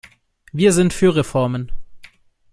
Wir sind für Reformen.